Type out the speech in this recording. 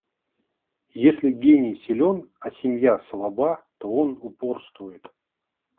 Если гений силен, а семья слаба, то он упорствует.